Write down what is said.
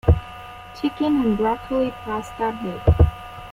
Chicken and broccoli pasta bake.